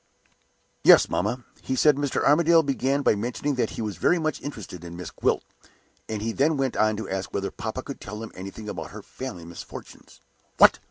"Yes, mamma. He said Mr. Armadale began by mentioning that he was very much interested in Miss Gwilt, and he then went on to ask whether papa could tell him anything about her family misfortunes " "What!"